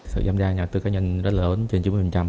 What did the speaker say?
sự giam gia nhà đầu tư cá nhân rất là lớn trên chín mươi